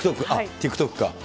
ＴｉｋＴｏｋか。